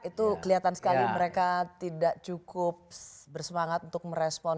itu kelihatan sekali mereka tidak cukup bersemangat untuk merespon